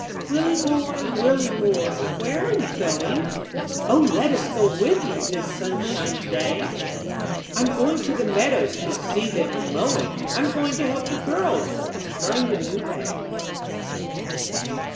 T\/^ILLIE boy, Willie boy, ^^ Where are you going? O, let us go with you. This sunshiny day. Tm going to the meadow, To see them a mowing,, I'm going to help the girls Turn the new hay.